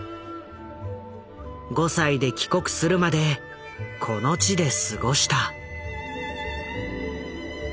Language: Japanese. ５歳で帰国するまでこの地で過ごした。